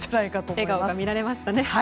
笑顔が見られましたね。